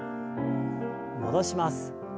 戻します。